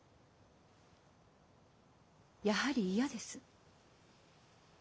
やはり嫌です。